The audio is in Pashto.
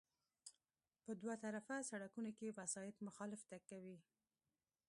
په دوه طرفه سړکونو کې وسایط مخالف تګ کوي